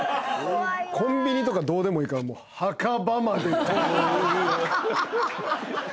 コンビニとかどうでもいいから「墓場まで徒歩５分」。